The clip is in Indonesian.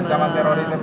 ancaman terorisme itu ya